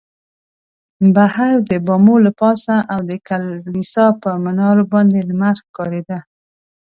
بهر د بامو له پاسه او د کلیسا پر منارو باندې لمر ښکارېده.